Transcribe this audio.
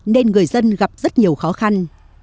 nên người dân gặp rất nhiều khó khăn